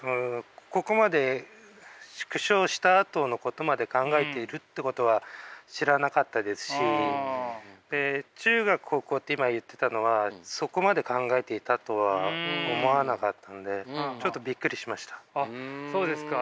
ここまで縮小したあとのことまで考えているってことは知らなかったですしで中学高校って今言ってたのはそこまで考えていたとは思わなかったのでそうですか。